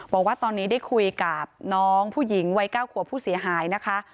บอกว่าตอนนี้ได้คุยกับน้องผู้หญิงวัย๙ขวบผู้เสียหายนะคะ